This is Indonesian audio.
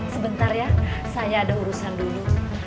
sebentar ya saya ada urusan dulu